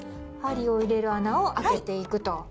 針を入れる穴を開けていくと。